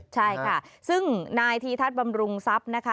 ใช่ค่ะซึ่งนายธีทัศน์บำรุงทรัพย์นะคะ